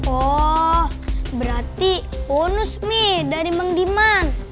oh berarti bonus mi dari bang diman